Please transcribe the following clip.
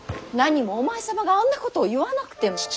なにもお前様があんなことを言わなくても。